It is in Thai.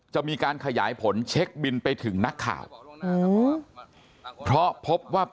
จะมีการขยายผลเช็คบินไปถึงนักข่าว